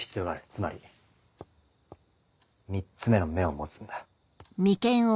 つまり３つ目の目を持つんだ。